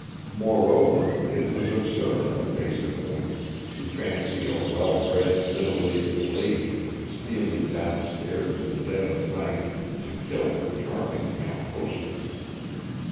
Moreover, it was absurd on the face of things to fancy a well bred, middle aged lady stealing downstairs at dead of night to kill her charming young hostess!